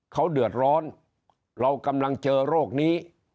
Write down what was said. เขาเดือดร้อนเรากำลังเจอโรคนี้